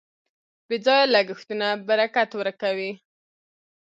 بې ځایه لګښتونه برکت ورکوي.